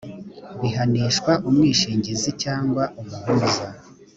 bihanishwa umwishingizi cyangwa umuhuza